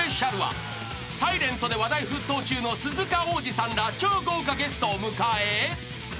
［『ｓｉｌｅｎｔ』で話題沸騰中の鈴鹿央士さんら超豪華ゲストを迎え］